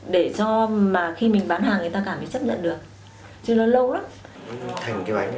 để cho mà khi mình bán hàng người ta cảm thấy chấp nhận được chứ nó lâu lắm